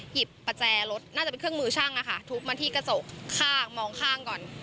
ประแจรถน่าจะเป็นเครื่องมือช่างอะค่ะทุบมาที่กระจกข้างมองข้างก่อน